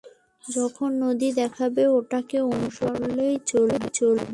যখন নদী দেখবে ওটাকে অনুসরন করেই চলবে।